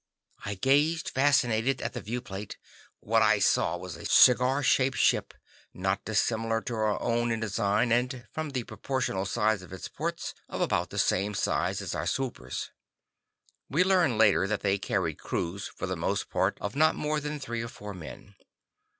I gazed, fascinated, at the viewplate. What I saw was a cigar shaped ship not dissimilar to our own in design, and from the proportional size of its ports, of about the same size as our swoopers. We learned later that they carried crews, for the most part of not more than three or four men.